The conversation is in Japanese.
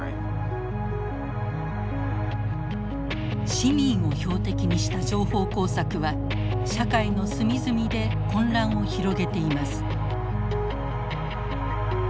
市民を標的にした情報工作は社会の隅々で混乱を広げています。